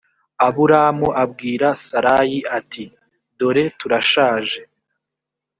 aburamu abwira sarayi ati “dore turashaje”